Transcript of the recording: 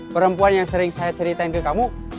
perempuan yang sering saya ceritain ke kamu